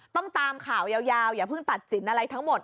ตามข่าวยาวอย่าเพิ่งตัดสินอะไรทั้งหมด